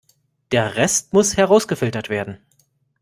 Der Rest muss herausgefiltert werden.